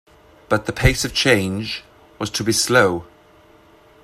But the pace of change was to be slow.